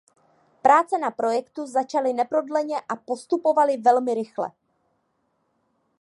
Práce na projektu začaly neprodleně a postupovaly velmi rychle.